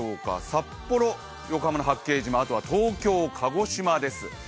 札幌、横浜の八景島、あとは東京、鹿児島です。